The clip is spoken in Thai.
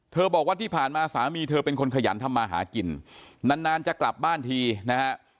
บอกว่าที่ผ่านมาสามีเธอเป็นคนขยันทำมาหากินนานจะกลับบ้านทีนะฮะ